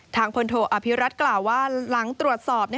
ทางพลโทอภิรัตกล่าวว่าหลังตรวจสอบ